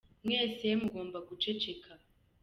Mwese mugomba guceceka.